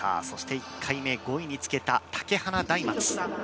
そして１回目５位につけた竹花大松。